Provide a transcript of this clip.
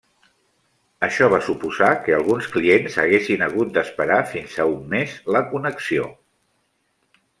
Això va suposar que alguns clients haguessin hagut d'esperar fins a un mes la connexió.